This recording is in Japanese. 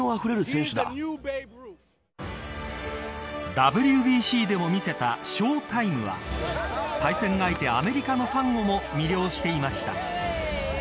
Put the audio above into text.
ＷＢＣでも見せたＳＨＯ−ＴＩＭＥは対戦相手のアメリカのファンをも魅了していました。